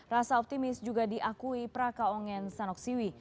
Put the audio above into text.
rasa optimis juga diakui praka ongen sanoxiwi